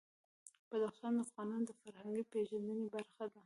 بدخشان د افغانانو د فرهنګي پیژندنې برخه ده.